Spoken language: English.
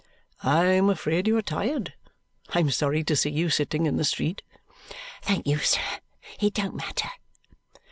"I am afraid you are tired. I am sorry to see you sitting in the street." "Thank you, sir. It don't matter."